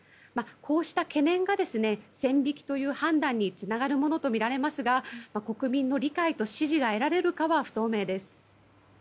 こうした懸念が線引きという判断につながるものとみられますが国民の理解と支持が得られるかは不透明です。